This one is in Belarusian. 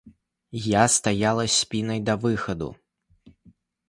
Я стаяла спінай да выхаду.